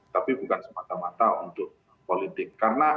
tapi bukan semata mata untuk politik